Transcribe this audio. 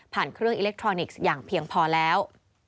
เครื่องอิเล็กทรอนิกส์อย่างเพียงพอแล้ว